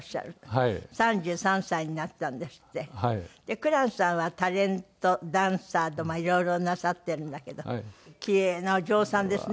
紅蘭さんはタレントダンサーといろいろなさってるんだけどキレイなお嬢さんですね。